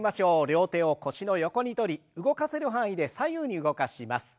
両手を腰の横にとり動かせる範囲で左右に動かします。